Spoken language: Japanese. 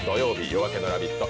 「夜明けのラヴィット！」